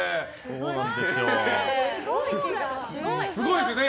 すごいですよね。